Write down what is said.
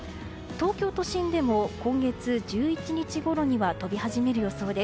東京都心でも今月１１日ごろには飛び始める予想です。